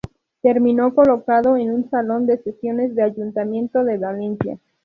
Terminó colocado en el salón de sesiones del Ayuntamiento de Valencia.